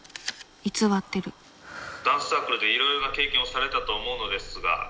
偽ってる「ダンスサークルでいろいろな経験をされたと思うのですが」。